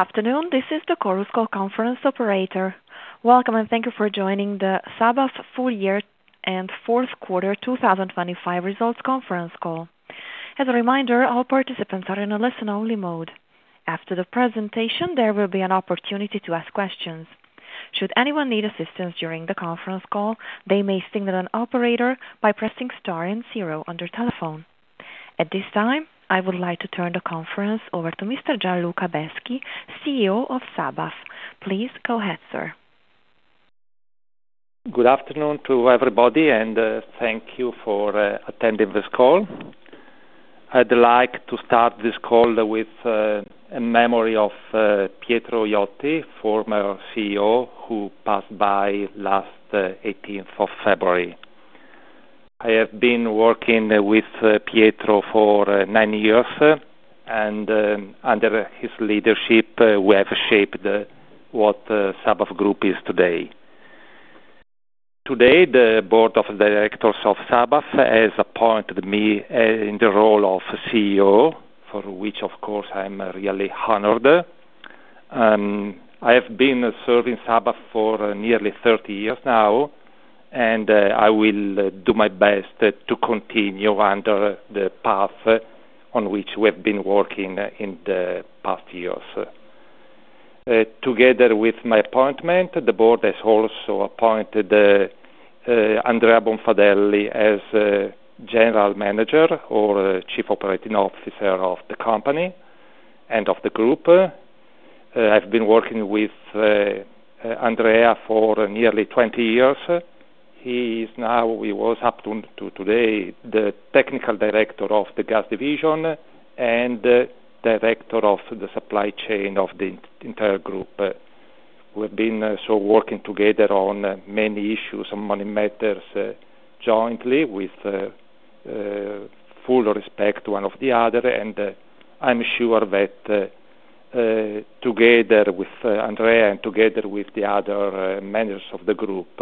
Afternoon. This is the Chorus Call conference operator. Welcome, and thank you for joining the Sabaf Full Year and Q4 2025 Results Conference Call. As a reminder, all participants are in a listen-only mode. After the presentation, there will be an opportunity to ask questions. Should anyone need assistance during the conference call, they may signal an operator by pressing star and zero on their telephone. At this time, I would like to turn the conference over to Mr. Gianluca Beschi, CEO of Sabaf. Please go ahead, sir. Good afternoon to everybody, and thank you for attending this call. I'd like to start this call with a memory of Pietro Iotti, former CEO, who passed away last 18th of February. I have been working with Pietro for nine years, and under his leadership, we have shaped what Sabaf Group is today. Today, the board of directors of Sabaf has appointed me in the role of CEO, for which, of course, I'm really honored. I have been serving Sabaf for nearly 30 years now, and I will do my best to continue under the path on which we have been working in the past years. Together with my appointment, the board has also appointed Andrea Bonfadelli as General Manager or Chief Operating Officer of the company and of the group. I've been working with Andrea for nearly 20 years. He is now. He was up to today, the Technical Director of the gas division and Director of the supply chain of the entire group. We've been so working together on many issues, many matters, jointly with full respect one of the other. I'm sure that together with Andrea and together with the other managers of the group,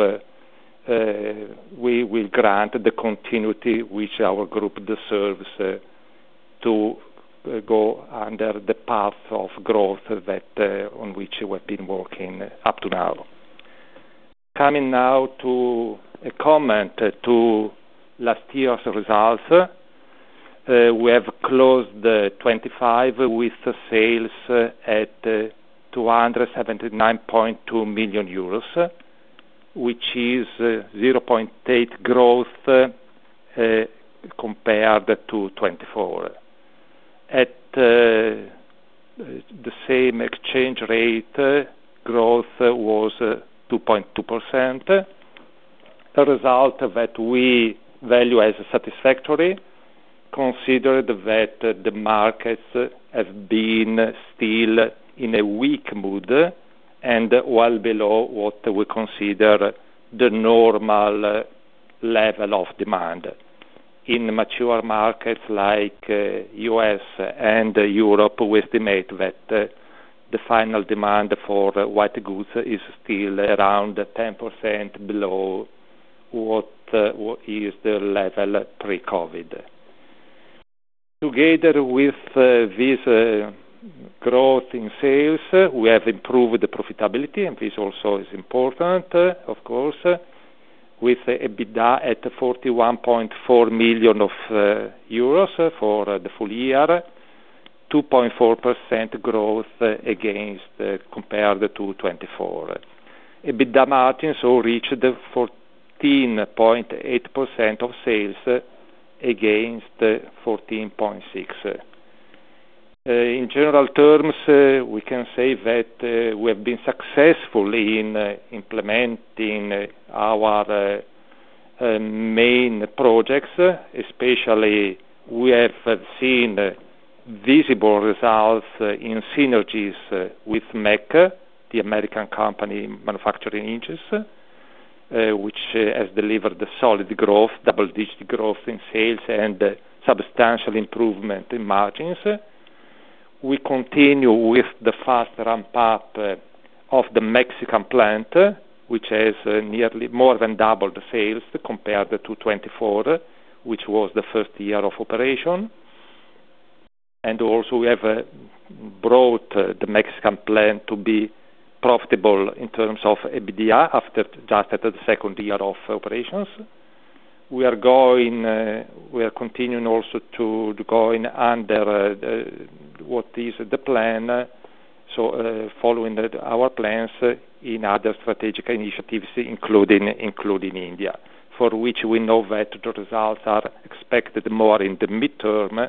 we will grant the continuity which our group deserves, to go on the path of growth that on which we've been working up to now. Coming now to a comment on last year's results. We have closed 2025 with sales at 279.2 million euros, which is 0.8% growth compared to 2024. At the same exchange rate, growth was 2.2%, a result that we value as satisfactory, considering that the markets have been still in a weak mood and well below what we consider the normal level of demand. In mature markets like U.S. and Europe, we estimate that the final demand for white goods is still around 10% below what is the level pre-COVID. Together with this growth in sales, we have improved the profitability, and this also is important, of course, with EBITDA at 41.4 million euros for the full year, 2.4% growth compared to 2024. EBITDA margin so reached 14.8% of sales against 14.6%. In general terms, we can say that we have been successful in implementing our main projects, especially we have seen visible results in synergies with MEC, the American company manufacturing hinges, which has delivered solid growth, double-digit growth in sales and substantial improvement in margins. We continue with the fast ramp-up of the Mexican plant, which has nearly more than doubled sales compared to 2024, which was the first year of operation. We have brought the Mexican plant to be profitable in terms of EBITDA just after the second year of operations. We are continuing also to follow our plans in other strategic initiatives, including India, for which we know that the results are expected more in the medium term.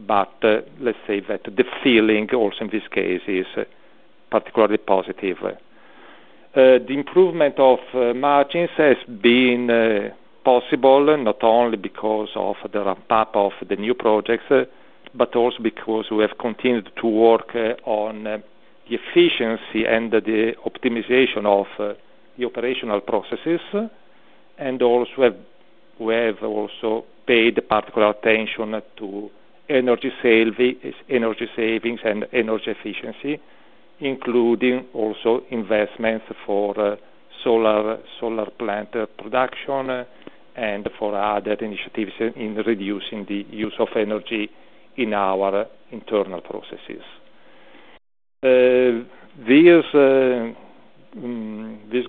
Let's say that the feeling also in this case is particularly positive. The improvement of margins has been possible not only because of the ramp-up of the new projects, but also because we have continued to work on the efficiency and the optimization of the operational processes. Also we have also paid particular attention to energy savings and energy efficiency, including also investments for energy solar plant production, and for other initiatives in reducing the use of energy in our internal processes. This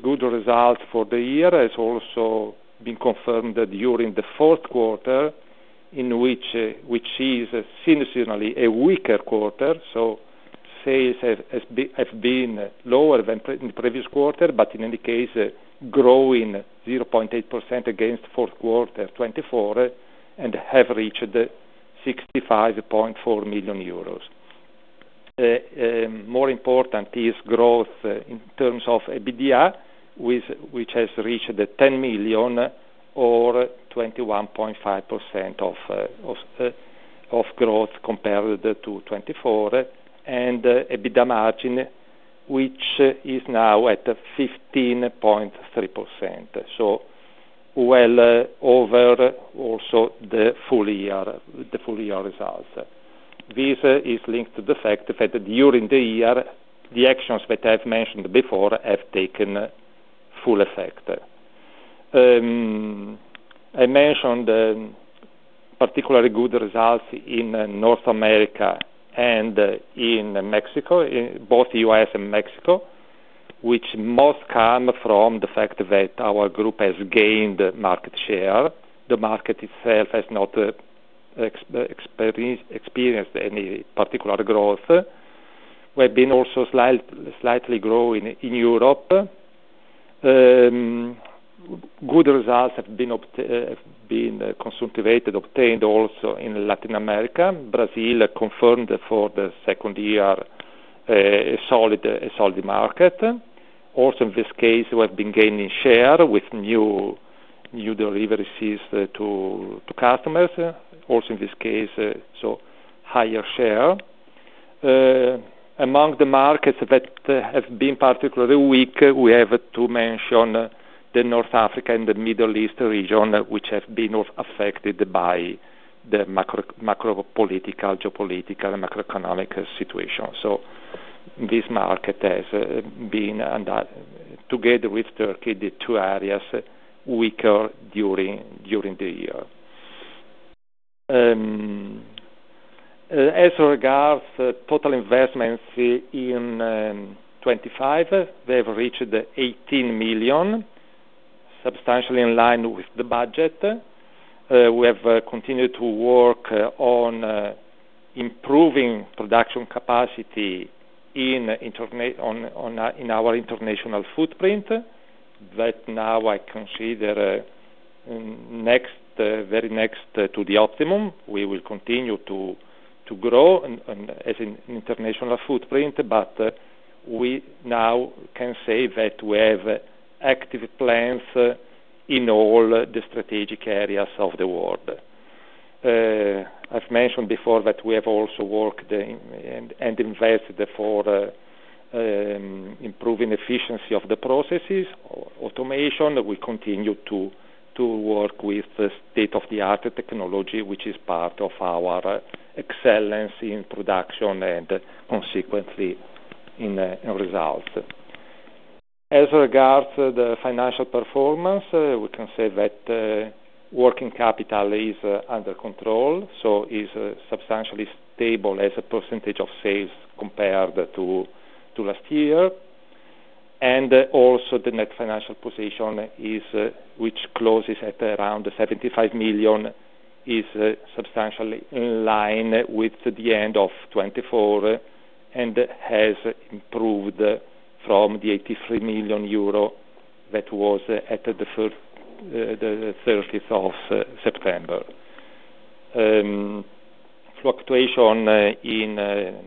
good result for the year has also been confirmed during the Q4, which is seasonally a weaker quarter, so sales have been lower than previous quarter, but in any case, growing 0.8% against Q4 2024, and have reached 65.4 million euros. More important is growth in terms of EBITDA, which has reached 10 million or 21.5% of growth compared to 2024, and EBITDA margin, which is now at 15.3%. Overall, the full year results. This is linked to the fact that during the year, the actions that I've mentioned before have taken full effect. I mentioned particularly good results in North America and in Mexico, in both the U.S. and Mexico, which mostly come from the fact that our group has gained market share. The market itself has not experienced any particular growth. We've been also slightly growing in Europe. Good results have been obtained also in Latin America. Brazil confirmed for the second year a solid market. In this case, we have been gaining share with new deliveries to customers, so higher share. Among the markets that have been particularly weak, we have to mention the North Africa and the Middle East region, which have been affected by the macro political, geopolitical, and macroeconomic situation. This market has been, together with Turkey, the two areas weaker during the year. As regards total investments in 2025, they have reached 18 million, substantially in line with the budget. We have continued to work on improving production capacity in our international footprint that now I consider very next to the optimum. We will continue to grow our international footprint, but we now can say that we have active plans in all the strategic areas of the world. I've mentioned before that we have also worked and invested for improving efficiency of the processes, automation. We continue to work with state-of-the-art technology, which is part of our excellence in production and consequently in results. As regards the financial performance, we can say that working capital is under control, so is substantially stable as a percentage of sales compared to last year. Also the net financial position, which closes at around 75 million, is substantially in line with the end of 2024, and has improved from the 83 million euro that was at the thirtieth of September. Fluctuation in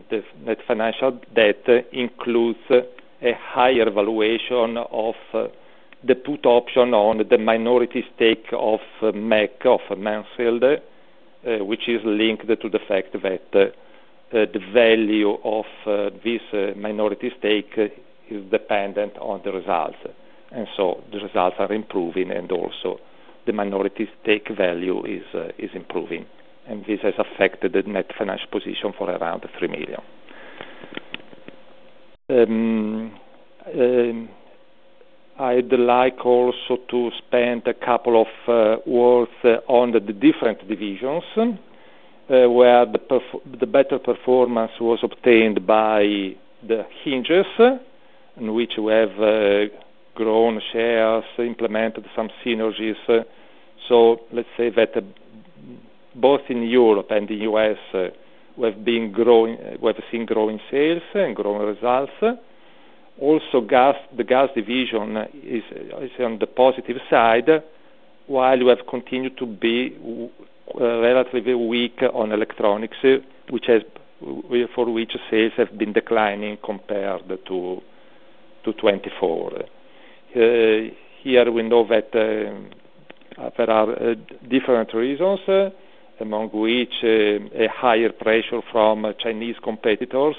the net financial debt includes a higher valuation of the put option on the minority stake of MEC, of Mansfield, which is linked to the fact that the value of this minority stake is dependent on the results. The results are improving, and also the minority stake value is improving. This has affected the net financial position for around EUR 3 million. I'd like also to spend a couple of words on the different divisions, where the better performance was obtained by the hinges, in which we have grown shares, implemented some synergies. Let's say that both in Europe and the U.S., we've been growing. We have seen growing sales and growing results. Gas, the gas division is on the positive side, while we have continued to be relatively weak on electronics, for which sales have been declining compared to 2024. Here we know that there are different reasons, among which a higher pressure from Chinese competitors.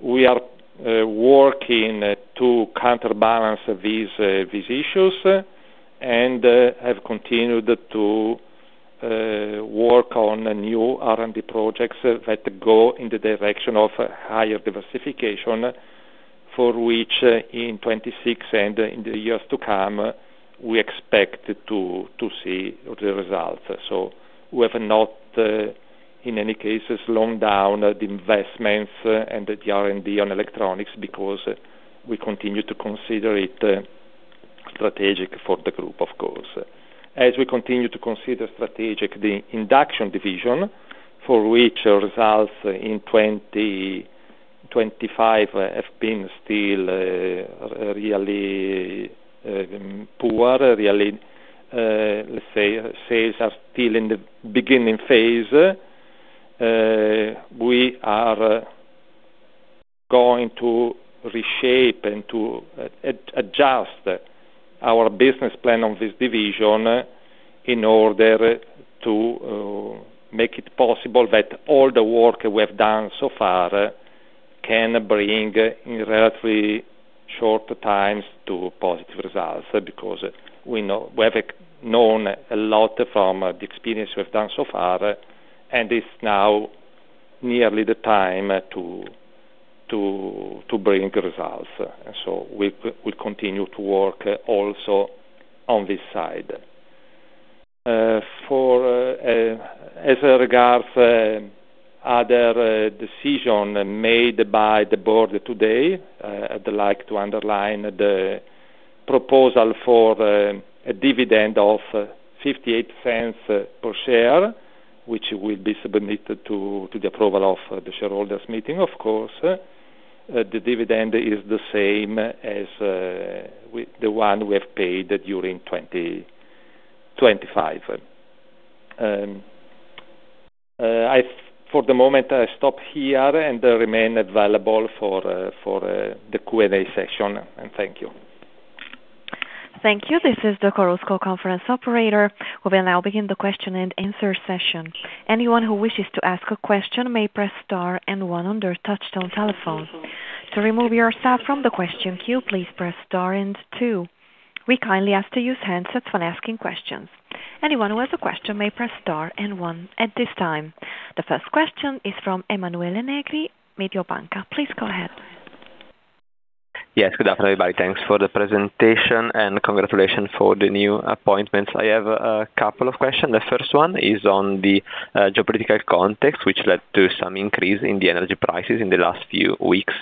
We are working to counterbalance these issues, and have continued to work on new R&D projects that go in the direction of higher diversification, for which in 2026 and in the years to come, we expect to see the results. We have not, in any cases, slowed down the investments and the R&D on electronics because we continue to consider it strategic for the group, of course. As we continue to consider strategic the induction division, for which results in 2025 have been still really poor, really, let's say, sales are still in the beginning phase. We are going to reshape and to adjust our business plan on this division in order to make it possible that all the work we have done so far can bring in relatively short times to positive results. Because we have known a lot from the experience we've done so far, and it's now nearly the time to bring results. We continue to work also on this side. As regards other decision made by the board today, I'd like to underline the proposal for a dividend of 0.58 per share, which will be submitted to the approval of the shareholders meeting, of course. The dividend is the same as with the one we have paid during 2025. For the moment, I stop here and remain available for the Q&A session. Thank you. Thank you. This is the Chorus Call conference operator. We will now begin the question and answer session. Anyone who wishes to ask a question may press star and one on their touch-tone telephone. To remove yourself from the question queue, please press star and two. We kindly ask to use handsets when asking questions. Anyone who has a question may press star and one at this time. The first question is from Emanuele Negri, Mediobanca. Please go ahead. Yes, good afternoon, everybody. Thanks for the presentation, and congratulations for the new appointments. I have a couple of questions. The first one is on the geopolitical context, which led to some increase in the energy prices in the last few weeks.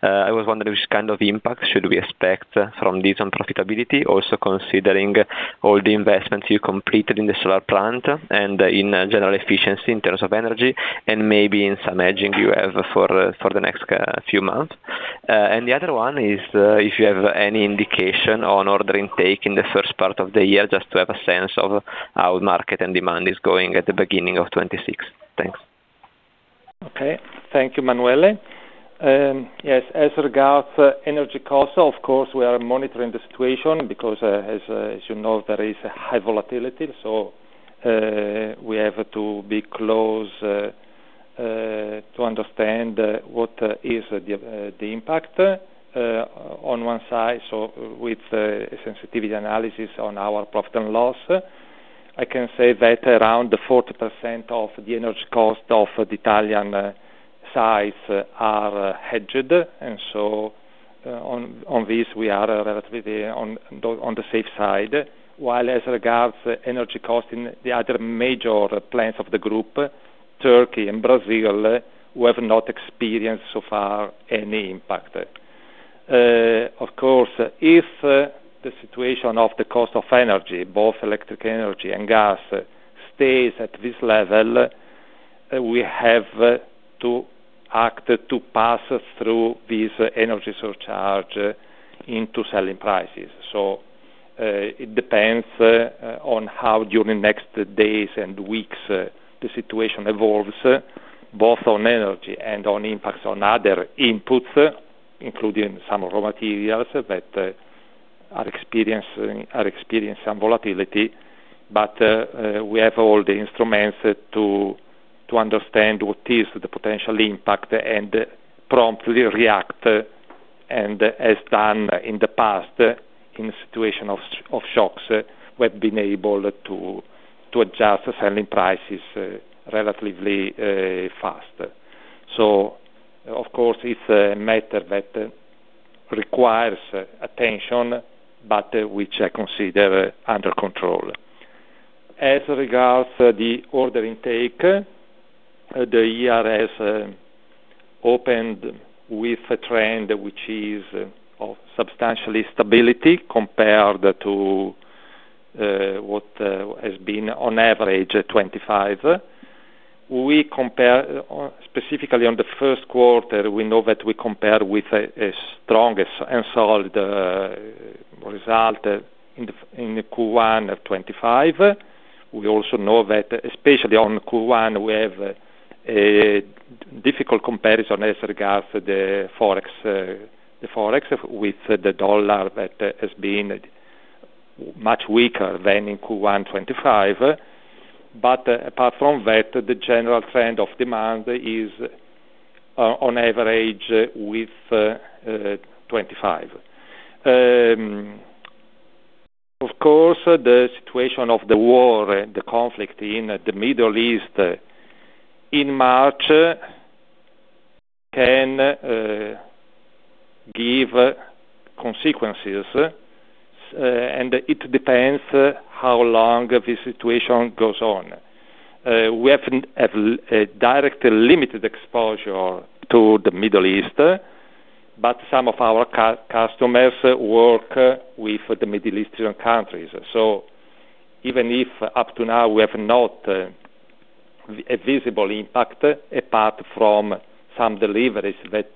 I was wondering which kind of impact should we expect from this on profitability, also considering all the investments you completed in the solar plant and in general efficiency in terms of energy and maybe in some hedging you have for the next few months. And the other one is if you have any indication on order intake in the first part of the year, just to have a sense of how market and demand is going at the beginning of 2026. Thanks. Okay. Thank you, Emanuele. Yes. As regards energy costs, of course, we are monitoring the situation because, as you know, there is high volatility. We have to be close to understand what is the impact on one side. With sensitivity analysis on our profit and loss, I can say that around 40% of the energy cost of the Italian sites are hedged. On this, we are relatively on the safe side. While as regards energy costs in the other major plants of the group, Turkey and Brazil, we have not experienced so far any impact. Of course, if the situation of the cost of energy, both electric energy and gas, stays at this level, we have to act to pass through this energy surcharge into selling prices. It depends on how during next days and weeks the situation evolves, both on energy and on impacts on other inputs, including some raw materials that are experiencing some volatility. We have all the instruments to understand what is the potential impact and promptly react. As done in the past, in a situation of shocks, we've been able to adjust selling prices relatively fast. Of course, it's a matter that requires attention, but which I consider under control. As regards the order intake, the year has opened with a trend which is of substantial stability compared to what has been on average 25. Specifically on the Q1, we know that we compare with a strong and solid result in the Q1 of 2025. We also know that especially on Q1, we have a difficult comparison as regards the Forex with the dollar that has been much weaker than in Q1 2025. Apart from that, the general trend of demand is on average with 2025. Of course, the situation of the war and the conflict in the Middle East in March can give consequences, and it depends how long this situation goes on. We have a directly limited exposure to the Middle East, but some of our customers work with the Middle Eastern countries. Even if up to now we have not a visible impact, apart from some deliveries that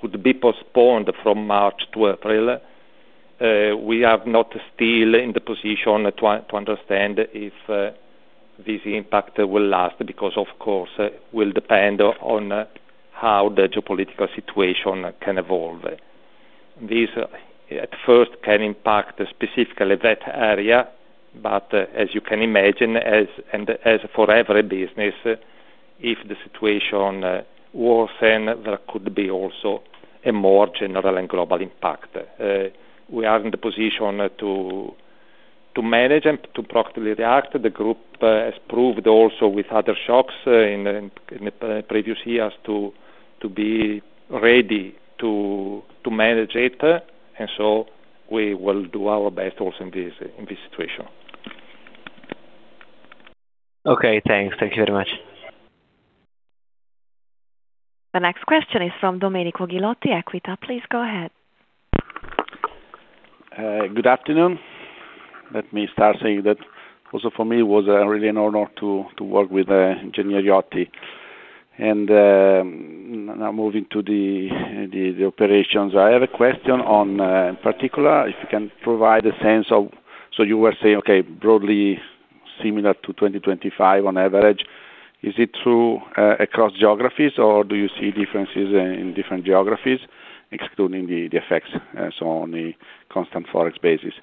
could be postponed from March to April, we are not still in the position to understand if this impact will last, because of course, it will depend on how the geopolitical situation can evolve. This at first can impact specifically that area, but as you can imagine, and as for every business, if the situation worsens, there could be also a more general and global impact. We are in the position to manage and to practically react. The group has proved also with other shocks in previous years to be ready to manage it, and so we will do our best also in this situation. Okay, thanks. Thank you very much. The next question is from Domenico Ghilotti, Equita. Please go ahead. Good afternoon. Let me start saying that also for me it was really an honor to work with Ingegnere Iotti. Now moving to the operations. I have a question on in particular, if you can provide a sense of. So you were saying, okay, broadly similar to 2025 on average. Is it true across geographies, or do you see differences in different geographies, excluding the effects so on the constant Forex basis?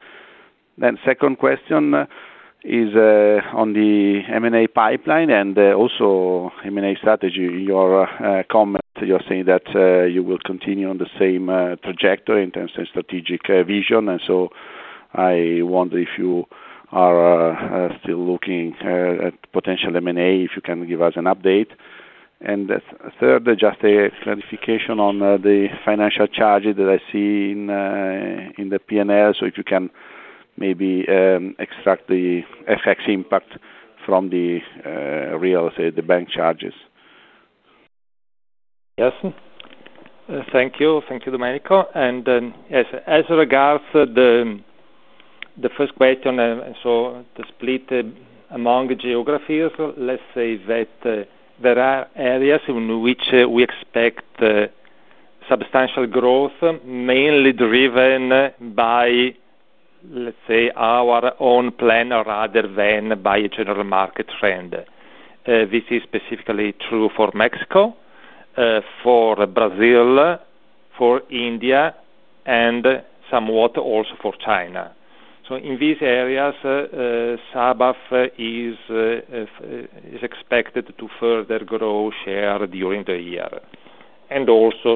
Second question is on the M&A pipeline and also M&A strategy. Your comment, you're saying that you will continue on the same trajectory in terms of strategic vision. I wonder if you are still looking at potential M&A, if you can give us an update. Third, just a clarification on the financial charges that I see in the P&L. If you can maybe extract the FX impact from the bank charges. Yes. Thank you. Thank you, Domenico. Yes, as regards the first question, the split among geographies, let's say that there are areas in which we expect substantial growth, mainly driven by, let's say, our own plan rather than by general market trend. This is specifically true for Mexico, for Brazil, for India, and somewhat also for China. In these areas, Sabaf is expected to further grow share during the year.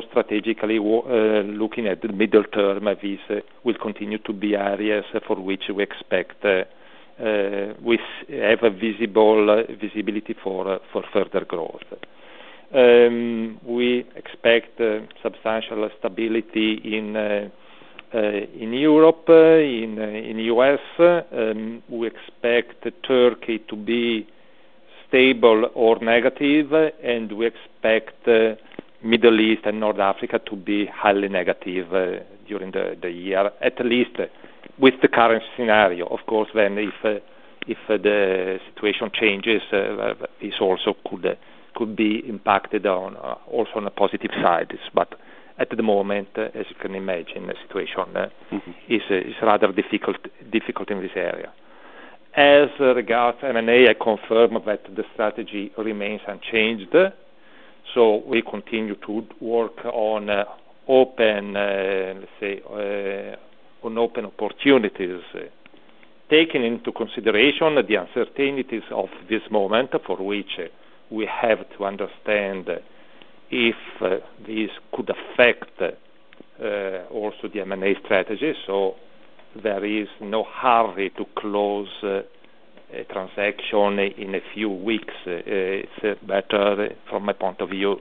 Strategically, looking at the medium term, this will continue to be areas for which we expect visibility for further growth. We expect substantial stability in Europe, in U.S. We expect Turkey to be stable or negative, and we expect Middle East and North Africa to be highly negative during the year, at least with the current scenario. Of course, if the situation changes, this also could be impacted on also on the positive side. At the moment, as you can imagine, the situation is rather difficult in this area. As regards M&A, I confirm that the strategy remains unchanged. We continue to work on open opportunities, taking into consideration the uncertainties of this moment for which we have to understand if this could affect also the M&A strategy. There is no hurry to close a transaction in a few weeks. It's better from my point of view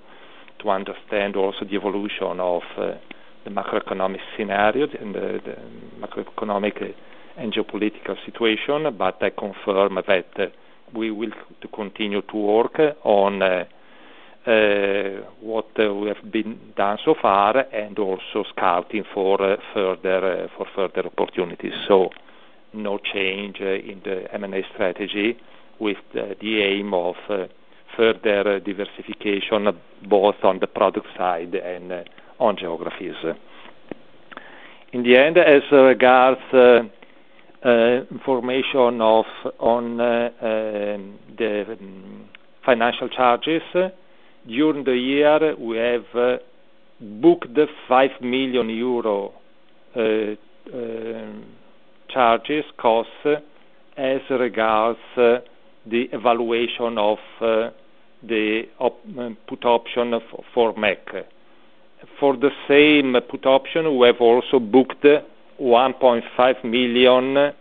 to understand also the evolution of the macroeconomic scenario and the macroeconomic and geopolitical situation. I confirm that we will continue to work on what we have done so far and also scouting for further opportunities. No change in the M&A strategy with the aim of further diversification, both on the product side and on geographies. In the end, as regards information on the financial charges, during the year, we have booked EUR 5 million charges, costs as regards the evaluation of the put option for MEC. For the same put option, we have also booked 1.5 million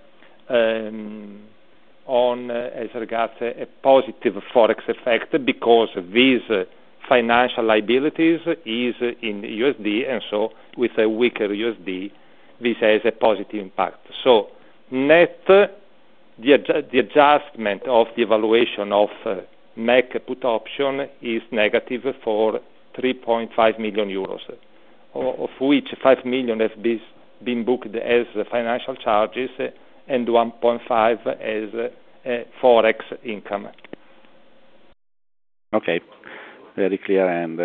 on as regards a positive Forex effect because these financial liabilities is in USD, and so with a weaker USD, this has a positive impact. Net, the adjustment of the evaluation of MEC put option is negative for 3.5 million euros, of which 5 million have been booked as financial charges and 1.5 million as Forex income. Okay. Very clear, and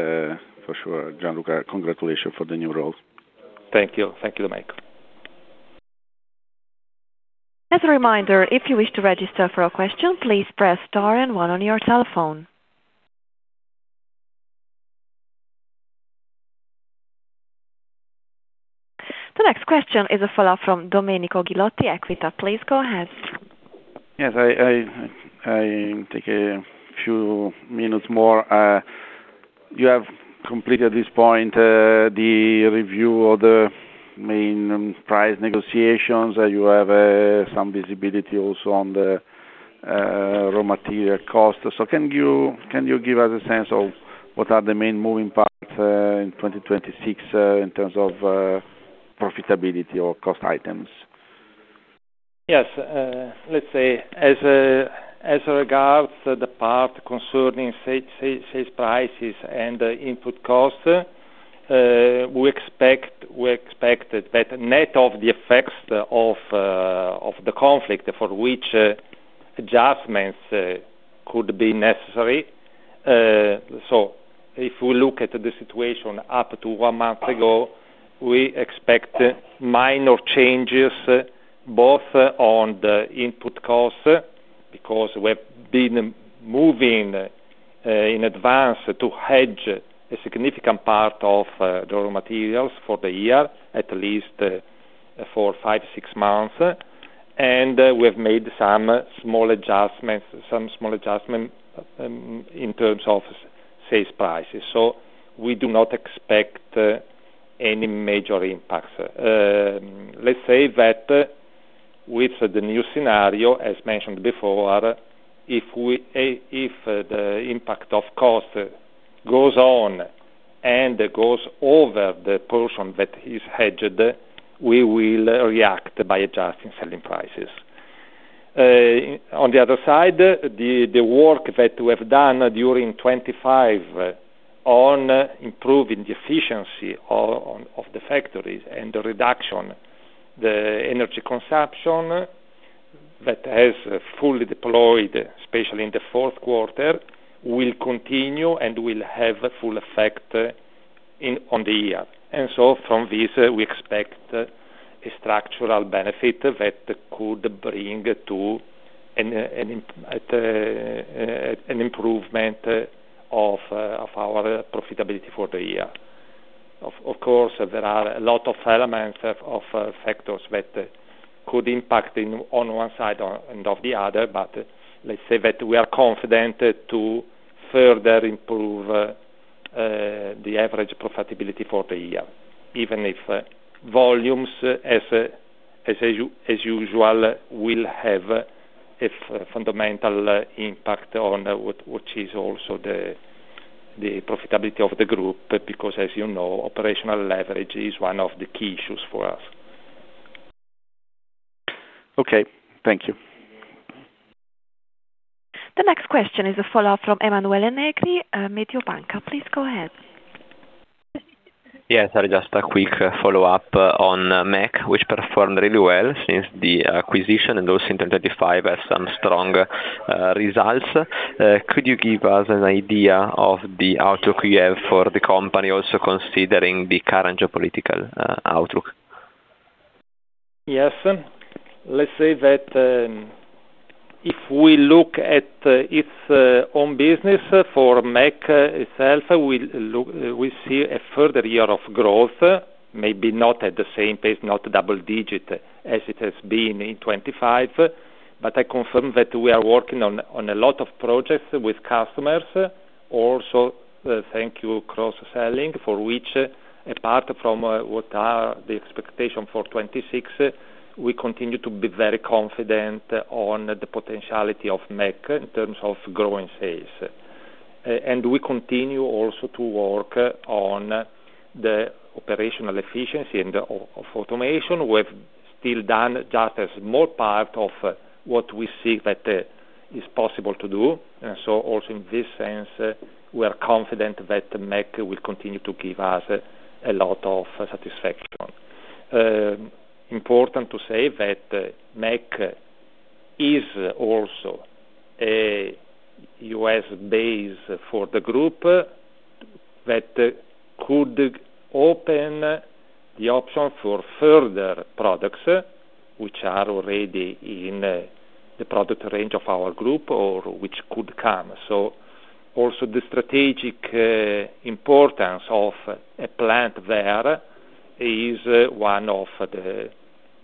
for sure, Gianluca, congratulations for the new role. Thank you. Thank you, Mike. As a reminder, if you wish to register for a question, please press star and one on your telephone. The next question is a follow-up from Domenico Ghilotti, Equita. Please go ahead. Yes, I take a few minutes more. You have completed this point, the review of the main price negotiations. You have some visibility also on the raw material cost. Can you give us a sense of what are the main moving parts in 2026 in terms of profitability or cost items? Yes. Let's say, as regards the part concerning sales prices and input cost, we expect that net of the effects of the conflict for which adjustments could be necessary. If we look at the situation up to one month ago, we expect minor changes both on the input cost, because we've been moving in advance to hedge a significant part of raw materials for the year, at least for five, six months. We have made some small adjustments in terms of sales prices. We do not expect any major impacts. Let's say that with the new scenario, as mentioned before, if the impact of cost goes on and goes over the portion that is hedged, we will react by adjusting selling prices. On the other side, the work that we have done during 2025 on improving the efficiency of the factories and the reduction of energy consumption that has fully deployed, especially in the Q4, will continue and will have a full effect on the year. From this, we expect a structural benefit that could bring to an improvement of our profitability for the year. Of course, there are a lot of elements of factors that could impact on one side or the other, but let's say that we are confident to further improve the average profitability for the year, even if volumes as usual will have a fundamental impact on which is also the profitability of the group, because as you know, operational leverage is one of the key issues for us. Okay, thank you. The next question is a follow-up from Emanuele Negri, Mediobanca. Please go ahead. Yes, just a quick follow-up on MEC, which performed really well since the acquisition and also in 2025 has some strong results. Could you give us an idea of the outlook you have for the company also considering the current geopolitical outlook? Yes. Let's say that if we look at its own business for MEC itself, we see a further year of growth, maybe not at the same pace, not double-digit as it has been in 2025, but I confirm that we are working on a lot of projects with customers. Also, thanks to cross-selling, for which apart from what are the expectations for 2026, we continue to be very confident on the potential of MEC in terms of growing sales. And we continue also to work on the operational efficiency and of automation. We've still done just a small part of what we see that is possible to do. Also in this sense, we are confident that MEC will continue to give us a lot of satisfaction. Important to say that MEC is also a U.S. base for the group that could open the option for further products which are already in the product range of our group or which could come. Also the strategic importance of a plant there is one of the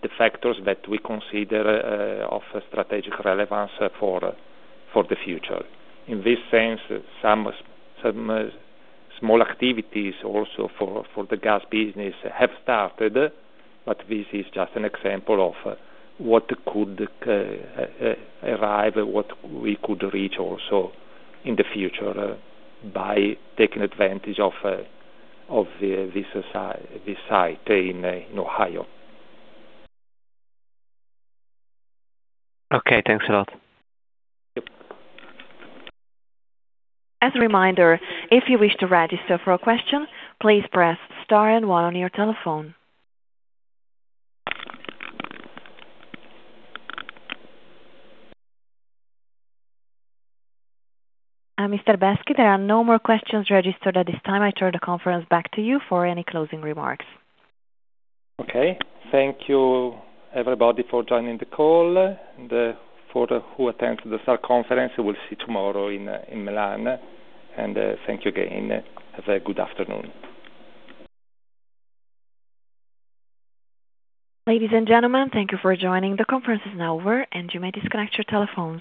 factors that we consider of strategic relevance for the future. In this sense, some small activities also for the gas business have started, but this is just an example of what could arrive, what we could reach also in the future by taking advantage of this site in Ohio. Okay, thanks a lot. Yep. As a reminder, if you wish to register for a question, please press star and one on your telephone. Mr. Beschi, there are no more questions registered at this time. I turn the conference back to you for any closing remarks. Okay. Thank you everybody for joining the call. For who attend the conference, we'll see tomorrow in Milan. Thank you again. Have a good afternoon. Ladies and gentlemen, thank you for joining. The conference is now over, and you may disconnect your telephones.